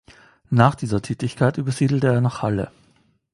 Nach dieser Tätigkeit übersiedelte er nach Halle.